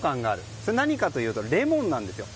それは何かというとレモンなんです。